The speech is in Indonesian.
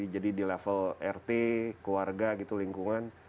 jadi di level rt keluarga lingkungan